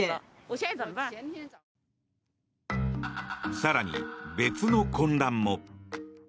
更に別の混乱も。